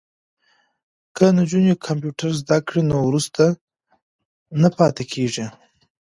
که نجونې کمپیوټر زده کړی نو وروسته نه پاتې کیږي.